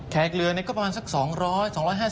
แขกเรือก็เลยประมาณสัก๒๐๐๒๕๐บาท